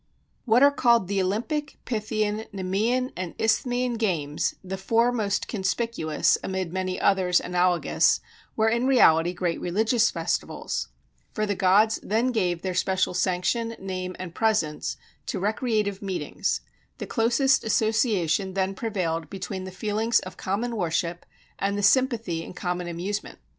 What are called the Olympic, Pythian, Nemean, and Isthmian games (the four most conspicuous amid many others analogous) were in reality great religious festivals for the gods then gave their special sanction, name, and presence to recreative meetings the closest association then prevailed between the feelings of common worship and the sympathy in common amusement.